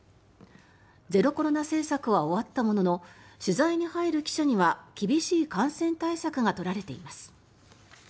ゼロコロナ政策は終わったものの取材に入る記者には厳しい感染対策が取られています。